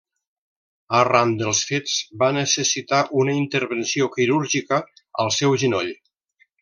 Arran dels fets, va necessitar una intervenció quirúrgica al seu genoll.